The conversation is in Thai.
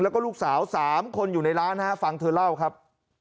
แล้วก็ลูกสาว๓คนอยู่ในร้านฮะฟังเธอเล่าครับ